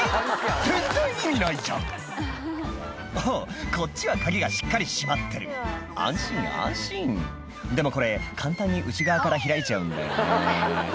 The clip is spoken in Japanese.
全然意味ないじゃんおこっちは鍵がしっかりしまってる安心安心でもこれ簡単に内側から開いちゃうんだよね